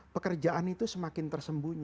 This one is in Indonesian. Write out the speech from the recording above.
pekerjaan itu semakin tersembunyi